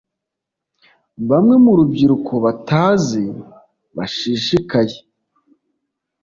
bamwe mu rubyiruko batazi bashishikaye,